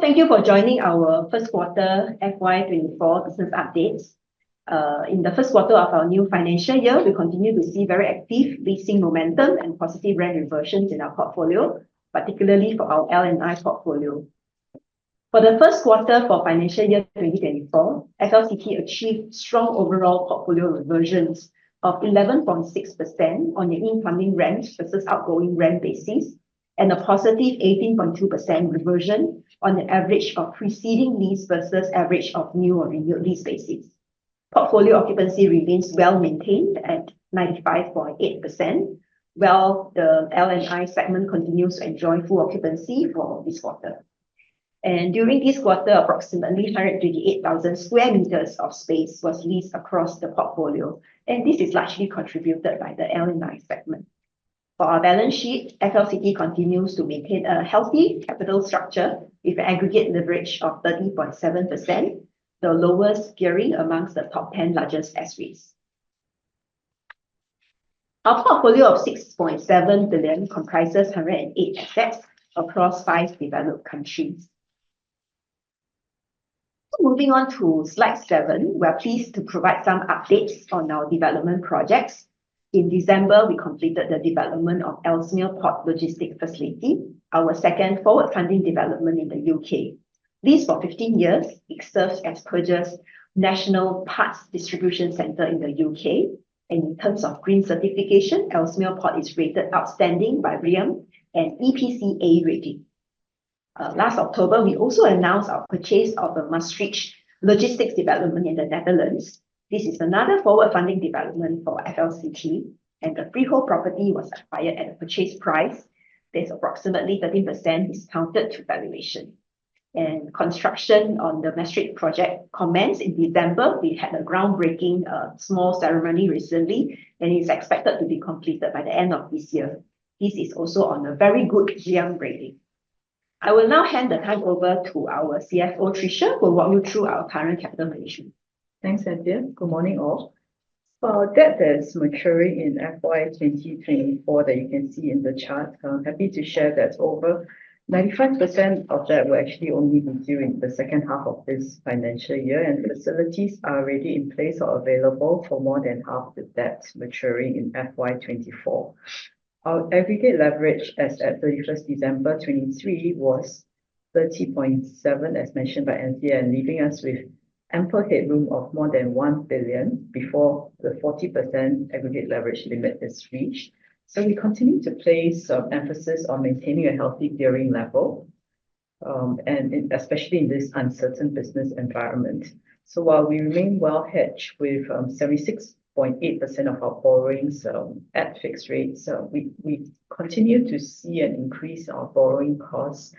Thank you for joining our first quarter FY 2024 business update. In the first quarter of our new financial year, we continue to see very active leasing momentum and positive rent reversions in our portfolio, particularly for our L&I portfolio. For the first quarter for financial year 2024, FLCT achieved strong overall portfolio reversions of 11.6% on the incoming rent versus outgoing rent basis, and a positive 18.2% reversion on the average of preceding lease versus average of new or renewed lease basis. Portfolio occupancy remains well-maintained at 95.8%, while the L&I segment continues to enjoy full occupancy for this quarter. During this quarter, approximately 128,000 sq m of space was leased across the portfolio, and this is largely contributed by the L&I segment. For our balance sheet, FLCT continues to maintain a healthy capital structure with aggregate leverage of 30.7%, the lowest gearing amongst the top 10 largest S-REITs. Our portfolio of 6.7 billion comprises 108 assets across five developed countries. Moving on to slide seven, we are pleased to provide some updates on our development projects. In December, we completed the development of Ellesmere Port logistic facility, our second forward funding development in the U.K. Leased for 15 years, it serves as Peugeot's national parts distribution center in the U.K. In terms of green certification, Ellesmere Port is rated outstanding by BREEAM and EPC A rating. Last October, we also announced our purchase of the Maastricht logistics development in the Netherlands. This is another forward-funding development for FLCT, and the freehold property was acquired at a purchase price that is approximately 30% discounted to valuation. Construction on the Maastricht project commenced in December. We had a groundbreaking small ceremony recently, and it's expected to be completed by the end of this year. This is also on a very good BREEAM rating. I will now hand the time over to our CFO, Tricia, who will walk you through our current capital management. Thanks, Anthea. Good morning, all. For our debt that is maturing in FY 2024 that you can see in the chart, I'm happy to share that over 95% of that will actually only be due in the second half of this financial year, and facilities are already in place or available for more than half the debt maturing in FY 2024. Our aggregate leverage as at 31st December 2023 was 30.7%, as mentioned by Anthea, leaving us with ample headroom of more than 1 billion before the 40% aggregate leverage limit is reached. We continue to place emphasis on maintaining a healthy gearing level, especially in this uncertain business environment. While we remain well-hedged with 76.8% of our borrowings at fixed rate, we continue to see an increase in our borrowing costs.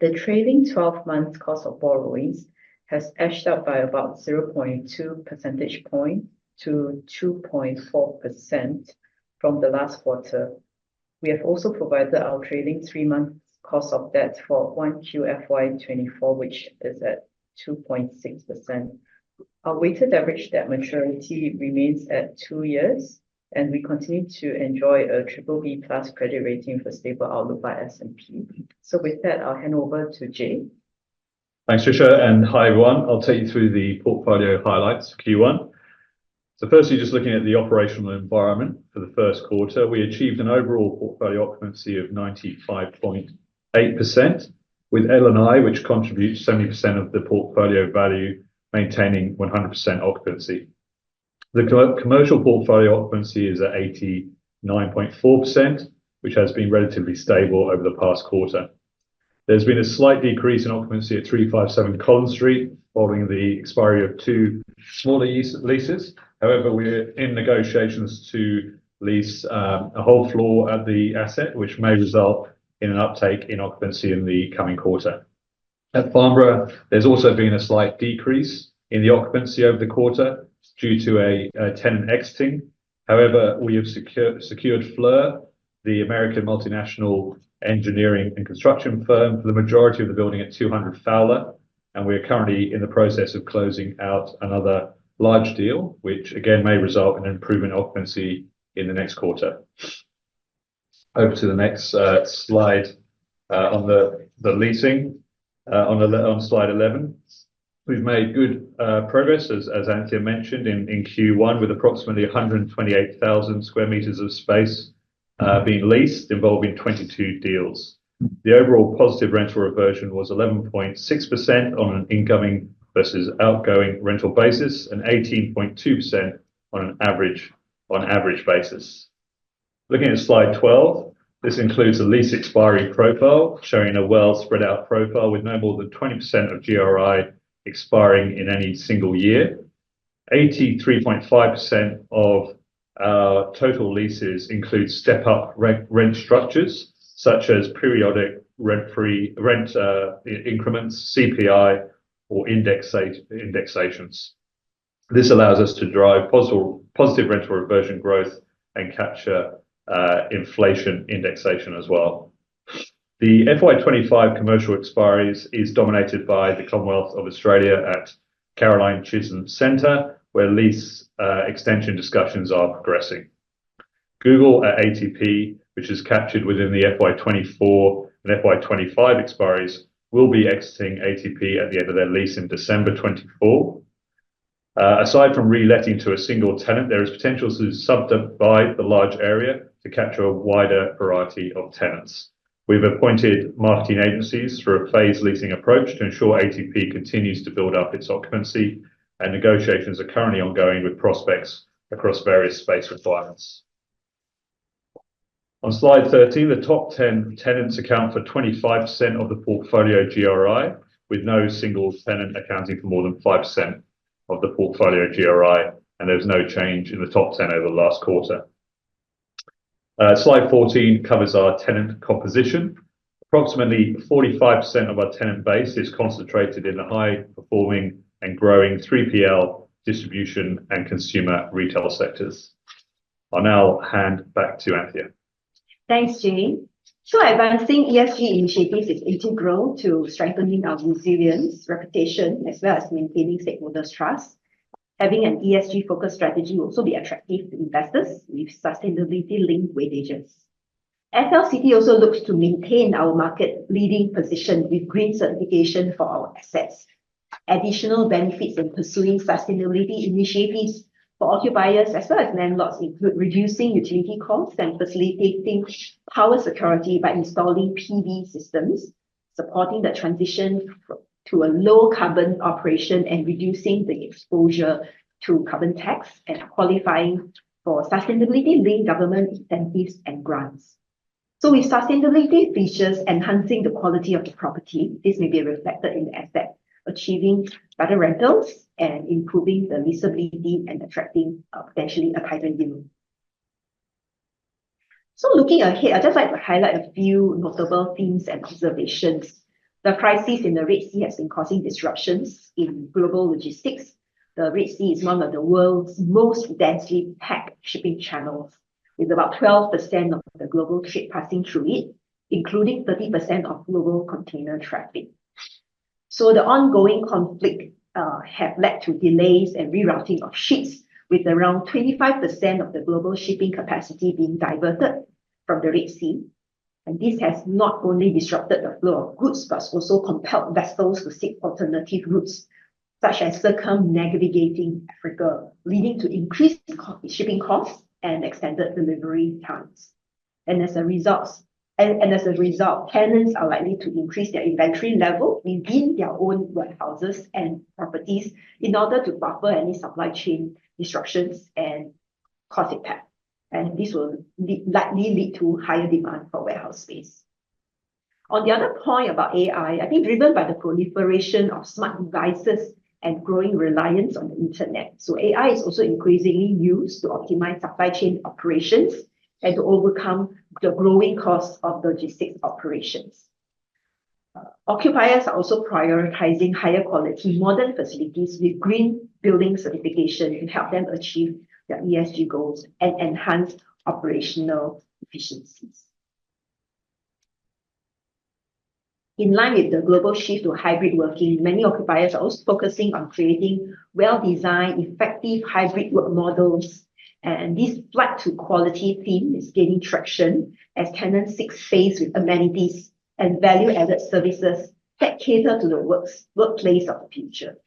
The trailing 12-month cost of borrowings has edged up by about 0.2 percentage point to 2.4% from the last quarter. We have also provided our trailing three-month cost of debt for 1Q FY 2024, which is at 2.6%. Our weighted average debt maturity remains at two years, and we continue to enjoy a BBB+ credit rating for stable outlook by S&P. With that, I'll hand over to Jay. Thanks, Tricia, and hi, everyone. I'll take you through the portfolio highlights for Q1. Firstly, just looking at the operational environment for the first quarter. We achieved an overall portfolio occupancy of 95.8%, with L&I, which contributes 70% of the portfolio value, maintaining 100% occupancy. The commercial portfolio occupancy is at 89.4%, which has been relatively stable over the past quarter. There's been a slight decrease in occupancy at 357 Collins Street following the expiry of two smaller leases. However, we're in negotiations to lease a whole floor at the asset, which may result in an uptake in occupancy in the coming quarter. At Farnborough, there's also been a slight decrease in the occupancy over the quarter due to a tenant exiting. However, we have secured Fluor, the American multinational engineering and construction firm, for the majority of the building at 200 Fowler, and we are currently in the process of closing out another large deal, which again, may result in an improvement occupancy in the next quarter. Over to the next slide, on the leasing, on slide 11. We've made good progress, as Anthea mentioned, in Q1, with approximately 128,000 sq m of space being leased, involving 22 deals. The overall positive rental reversion was 11.6% on an incoming versus outgoing rental basis, and 18.2% on average basis. Looking at slide 12, this includes a lease expiry profile, showing a well spread out profile with no more than 20% of GRI expiring in any single year. 83.5% of our total leases include step-up rent structures, such as periodic rent increments, CPI, or indexations. This allows us to drive positive rental reversion growth and capture inflation indexation as well. The FY 2025 commercial expiries is dominated by the Commonwealth of Australia at Caroline Chisholm Centre, where lease extension discussions are progressing. Google at ATP, which is captured within the FY 2024 and FY 2025 expiries, will be exiting ATP at the end of their lease in December 2024. Aside from re-letting to a one tenant, there is potential to subdivide the large area to capture a wider variety of tenants. We've appointed marketing agencies through a phased leasing approach to ensure ATP continues to build up its occupancy, and negotiations are currently ongoing with prospects across various space requirements. On slide 13, the top 10 tenants account for 25% of the portfolio GRI, with no single tenant accounting for more than 5% of the portfolio GRI. There was no change in the top 10 over the last quarter. Slide 14 covers our tenant composition. Approximately 45% of our tenant base is concentrated in the high-performing and growing 3PL, distribution, and consumer retail sectors. I'll now hand back to Anthea. Thanks, Jamie. Advancing ESG initiatives is integral to strengthening our resilience, reputation, as well as maintaining stakeholders' trust. Having an ESG-focused strategy will also be attractive to investors with sustainability-linked weightages. FLCT also looks to maintain our market-leading position with green certification for our assets. Additional benefits in pursuing sustainability initiatives for occupiers as well as landlords include reducing utility costs and facilitating power security by installing PV systems, supporting the transition to a low-carbon operation and reducing the exposure to carbon tax and qualifying for sustainability-linked government incentives and grants. With sustainability features enhancing the quality of the property, this may be reflected in the asset achieving better rentals and improving the visibility and attracting potentially a higher yield. Looking ahead, I'd just like to highlight a few notable themes and observations. The crisis in the Red Sea has been causing disruptions in global logistics. The Red Sea is one of the world's most densely packed shipping channels, with about 12% of the global ship passing through it, including 30% of global container traffic. The ongoing conflict have led to delays and rerouting of ships, with around 25% of the global shipping capacity being diverted from the Red Sea. This has not only disrupted the flow of goods but has also compelled vessels to seek alternative routes, such as circumnavigating Africa, leading to increased shipping costs and extended delivery times. As a result, tenants are likely to increase their inventory level within their own warehouses and properties in order to buffer any supply chain disruptions and cost impact. This will likely lead to higher demand for warehouse space. On the other point about AI, I think driven by the proliferation of smart devices and growing reliance on the internet. AI is also increasingly used to optimize supply chain operations and to overcome the growing cost of logistics operations. Occupiers are also prioritizing higher quality modern facilities with green building certification to help them achieve their ESG goals and enhance operational efficiencies. In line with the global shift to hybrid working, many occupiers are also focusing on creating well-designed, effective hybrid work models. This flight to quality theme is gaining traction as tenants seek space with amenities and value-added services that cater to the workplace of the future.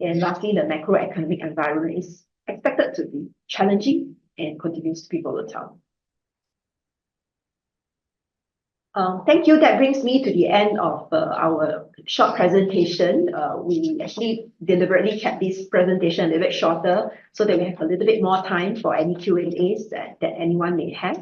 Lastly, the macroeconomic environment is expected to be challenging and continues to be volatile. Thank you. That brings me to the end of our short presentation. We actually deliberately kept this presentation a little bit shorter so that we have a little bit more time for any Q&As that anyone may have.